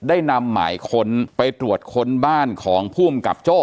ได้นำหมายค้นไปตรวจค้นบ้านของภูมิกับโจ้